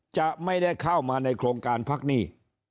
จะไม่ได้เข้ามาในโครงการพักหนี้